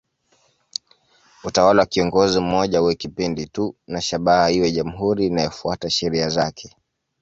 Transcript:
Utawala wa kiongozi mmoja uwe kipindi tu na shabaha iwe jamhuri inayofuata sheria zake.